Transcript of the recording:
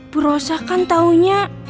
berusah kan taunya